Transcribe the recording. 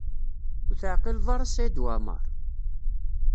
Ur teɛqileḍ ara Saɛid Waɛmaṛ?